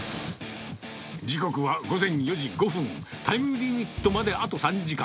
時刻は午前４時５分、タイムリミットまであと３時間。